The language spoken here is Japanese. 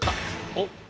おっ！